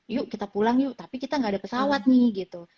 yuk kita pulang yuk tapi kita nggak ada pesawat nih gitu